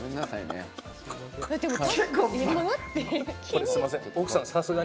これ、すんません。